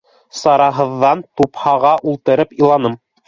Сараһыҙҙан, тупһаға ултырып иланым.